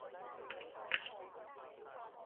宠爱她的阿公